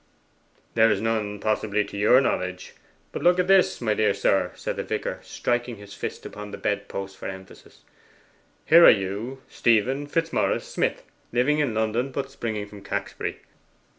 'There is none, possibly, to your knowledge. But look at this, my dear sir,' said the vicar, striking his fist upon the bedpost for emphasis. 'Here are you, Stephen Fitzmaurice Smith, living in London, but springing from Caxbury.